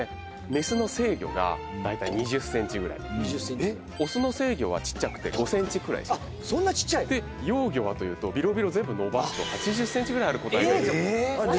メスの成魚がだいたい２０ｃｍぐらい２０ｃｍぐらいオスの成魚は小っちゃくて５ｃｍくらいあっそんな小っちゃいで幼魚はというとビロビロ全部伸ばすと８０ｃｍぐらいある個体です